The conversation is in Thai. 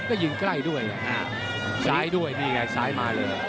ก็ยิงใกล้ด้วยซ้ายด้วยนี่ไงซ้ายมาเลย